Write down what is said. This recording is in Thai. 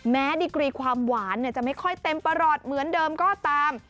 ดิกรีความหวานจะไม่ค่อยเต็มประหลอดเหมือนเดิมก็ตาม